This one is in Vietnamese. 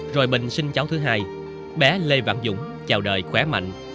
rồi bình sinh cháu thứ hai bé lê văn dũng chào đời khỏe mạnh